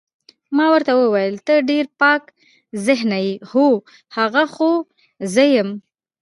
ما ورته وویل ته ډېر پاک ذهنه یې، هو، هغه خو زه یم.